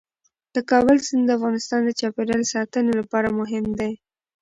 د کابل سیند د افغانستان د چاپیریال ساتنې لپاره مهم دی.